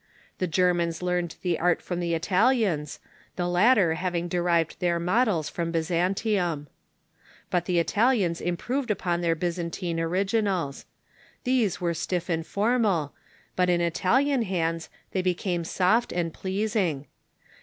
The Germans learned the art from the Italians, the latter having derived their models from Byzantium. But the Italians improved upon their Bj^zantine originals. These were stiff and formal. But in Italian hands they became soft and pleasing.